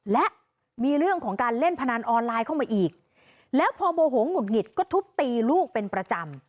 และมีเรื่องของการเล่นพนันออนไลน์เข้ามาอีกแล้วพอโมโหหงุดหงิดก็ทุบตีลูกเป็นประจำ